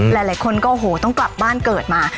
หลายคนก็โอ้โหต้องกลับบ้านเกิดมา